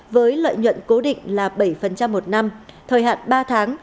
với lợi nhuận cố định là bảy một năm thời hạn ba tháng